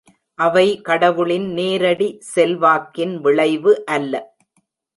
அவை கடவுளின் நேரடி செல்வாக்கின் விளைவு அல்ல.